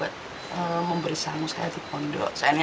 terima kasih telah menonton video ini